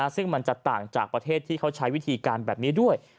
ซึ่งมันจะต่างจากประเทศที่เขาใช้วิธีการแบบนี้ด้วย